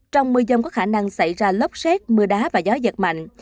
trong mưa dông có khả năng xảy ra lốc xét mưa đá và gió giật mạnh